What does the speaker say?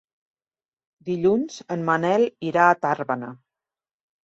Dilluns en Manel irà a Tàrbena.